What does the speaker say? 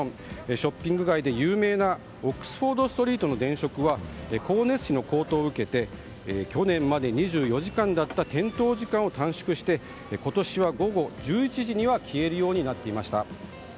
ショッピング街で有名なオックスフォード・ストリートの電飾は、光熱費の高騰を受けて去年まで２４時間だった点灯時間を短縮して今年は午後１１時には消えるようになっていました。